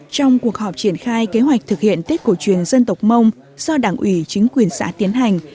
trong cuộc họp triển khai kế hoạch thực hiện tết cổ truyền dân tộc mông do đảng ủy chính quyền xã tiến hành